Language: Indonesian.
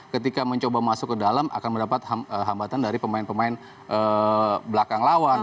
ketika mencoba masuk ke dalam akan mendapat hambatan dari pemain pemain belakang lawan